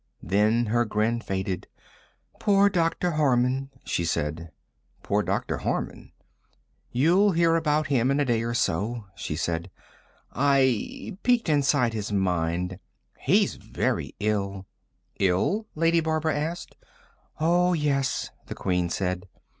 Then her grin faded. "Poor Dr. Harman," she said. "Poor Dr. Harman?" "You'll hear about him in a day or so," she said. "I ... peeked inside his mind. He's very ill." "Ill?" Lady Barbara asked. "Oh, yes," the Queen said.